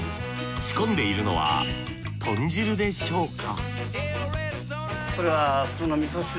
仕込んでいるのは豚汁でしょうか？